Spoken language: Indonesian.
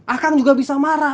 akang juga bisa marah